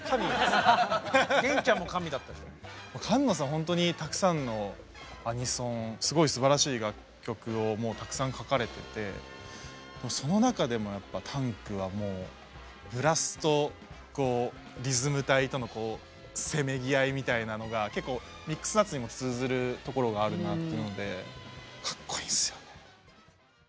ほんとにたくさんのアニソンすごいすばらしい楽曲をもうたくさん書かれててその中でもやっぱ「Ｔａｎｋ！」はもうブラスとリズム隊とのせめぎ合いみたいなのが結構「ミックスナッツ」にも通ずるところがあるなっていうのでかっこいいんすよね。